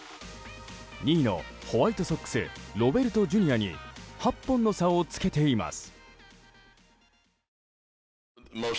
２位のホワイトソックスロベルトＪｒ．に８本の差をつけています。